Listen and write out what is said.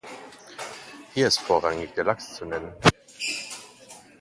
Hier ist vorrangig der Lachs zu nennen.